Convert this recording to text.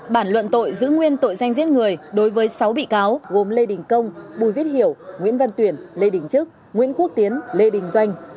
bản luận tội giữ nguyên tội danh giết người đối với sáu bị cáo gồm lê đình công bùi viết hiểu nguyễn văn tuyển lê đình trức nguyễn quốc tiến lê đình doanh